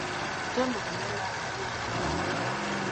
Tomo konai lakwe kungalal.